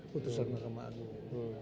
keputusan mahkamah agung